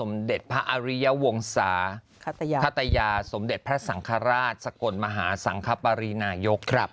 มาริยาวงศาคัตยาคัตยาสมเด็จพระสังฆราชสกลมหาสังคปรินายกครับ